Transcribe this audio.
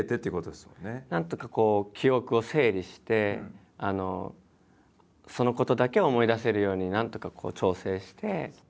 なんとかこう記憶を整理してそのことだけを思い出せるようになんとかこう調整して。